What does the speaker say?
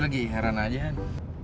gue lagi heran aja han